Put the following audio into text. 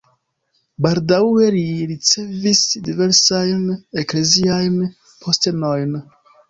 Baldaŭe li ricevis diversajn ekleziajn postenojn.